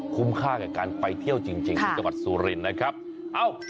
คุ้มค่าแก่การไปเที่ยวจริงจังหวัดสุรินต์นะครับอ้าว